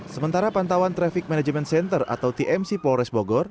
sementara pantauan traffic management center atau tmc polres bogor